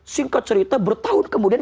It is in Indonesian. singkat cerita bertahun kemudian